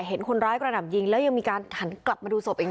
เห็นคนร้ายกระหน่ำยิงแล้วยังมีการหันกลับมาดูศพอีก